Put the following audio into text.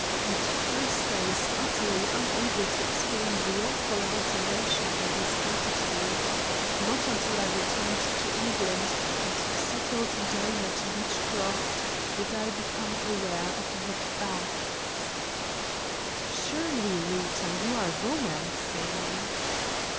At first I was utterly unable to explain the awful alteration in his attitude. Not until I returned to England and settled down at Beechcroft did I become aware of the facts." "Surely, Rita, you are romancing?"